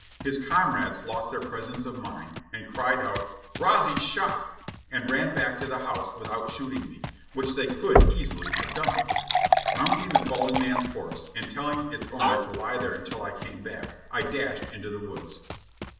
His comrades lost their presence of mind and cried out, ^'Rouzie 's shot!" and ran back to the house without shooting me, which they could easily have done. Mounting the fallen man's horse, and telling its owner to lie there until I came back, I dashed into the woods.